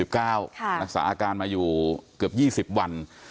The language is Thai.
รักษาอาการมาอยู่เกือบ๒๐วัน